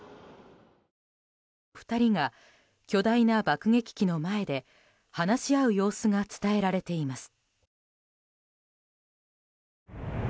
２人が巨大な爆撃機の前で話し合う様子が伝えられています。